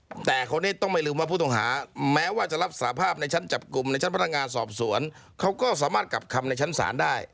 แต่คนนี้ต้องไม่ลืมว่าผู้ต้องหาแม้ว่าจะรับสาภาพในชั้นจับกลุ่มในชั้นพนักงานสอบสวนเขาก็สามารถกลับคำในชั้นศาลได้